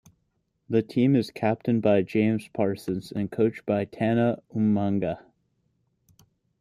The team is captained by James Parsons and coached by Tana Umaga.